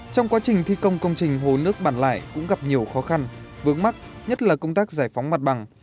trong quá trình thi công công trình hồ nước bản lải cũng gặp nhiều khó khăn vướng mắt nhất là công tác giải phóng mặt bằng